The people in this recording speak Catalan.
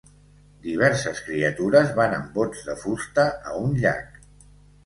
Diverses criatures van amb bots de fusta a un llac.